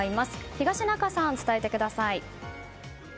東中さん、伝えてください。